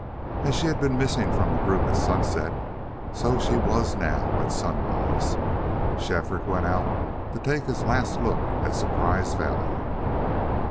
As she had been missing from the group at sunset, so she was now at sunrise. Shefford went out to take his last look at Surprise Valley.